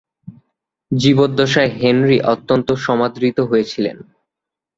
জীবদ্দশায় হেনরি অত্যন্ত সমাদৃত হয়েছিলেন।